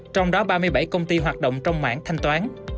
trong đó ba mươi bảy công ty hoạt động trong mảng thanh toán